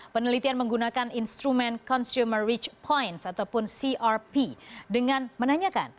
penelitian menggunakan instrumen consumer reach points ataupun crp dengan menanyakan